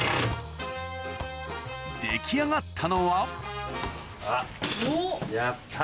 出来上がったのはあら！